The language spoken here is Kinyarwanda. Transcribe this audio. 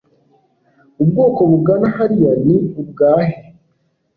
ubwoko bugana hariya ni ubwahe